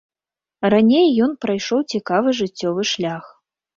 Раней ён прайшоў цікавы жыццёвы шлях.